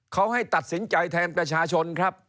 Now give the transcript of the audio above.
เขาให้ตัดสินใจแทนประชาชนครับ